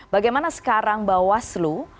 bagaimana sekarang bawaslu